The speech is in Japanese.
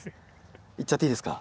いっちゃっていいですか？